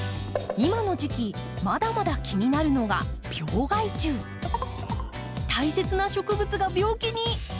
今の時期まだまだ気になるのが大切な植物が病気に！